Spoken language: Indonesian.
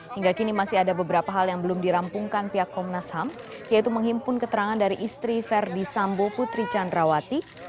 hingga kini masih ada beberapa hal yang belum dirampungkan pihak komnas ham yaitu menghimpun keterangan dari istri verdi sambo putri candrawati